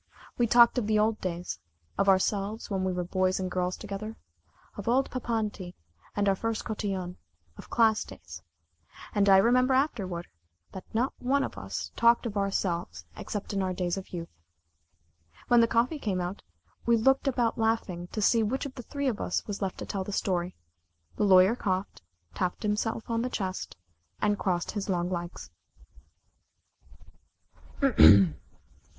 We talked of the old days: of ourselves when we were boys and girls together: of old Papanti, and our first Cotillion, of Class Days, and, I remembered afterward, that not one of us talked of ourselves except in the days of our youth. When the coffee came out, we looked about laughing to see which of the three of us left was to tell the story. The Lawyer coughed, tapped himself on his chest, and crossed his long legs.